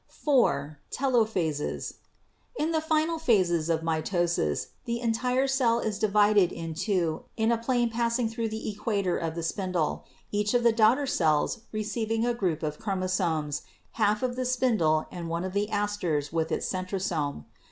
"4. Telophases. — In the final phases of mitosis the entire cell is divided in two in a plane passing through the equa tor of the spindle, each of the daughter cells receiving a group of chromosomes, half of the spindle and one of the asters with its centrosome.